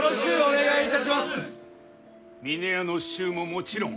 峰屋の衆ももちろん。